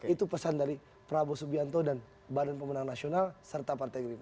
itu pesan dari prabowo subianto dan badan pemenang nasional serta partai gerindra